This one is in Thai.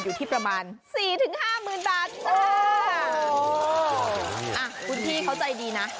คุณพี่เขาใจดีนะ